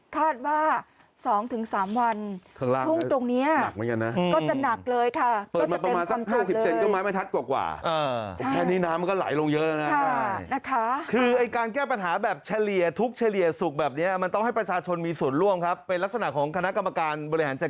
คาดว่าสองถึงสามวันทุ่งตรงเนี้ยหนักเหมือนกันนะ